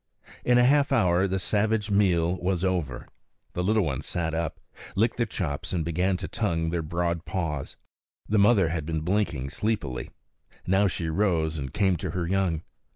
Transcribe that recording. In a half hour the savage meal was over. The little ones sat up, licked their chops, and began to tongue their broad paws. The mother had been blinking sleepily; now she rose and came to her young.